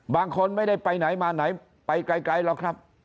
บางคนไม่ได้ไปไหนมาไหนไปไกลหรอกครับ